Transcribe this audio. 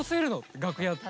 楽屋」って。